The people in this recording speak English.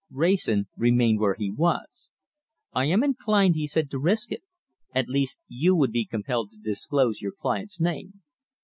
Wrayson remained where he was. "I am inclined," he said, "to risk it. At least you would be compelled to disclose your client's name."